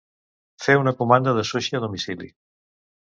Fer una comanda de sushi a domicili.